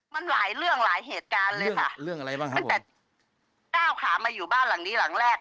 มันหลายเรื่องหลายเหตุการณ์เลยค่ะเรื่องอะไรบ้างคะตั้งแต่ก้าวขามาอยู่บ้านหลังนี้หลังแรก